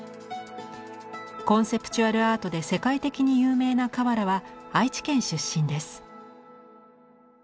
コンセプチュアルアートで世界的に有名な河原は愛知県出身です。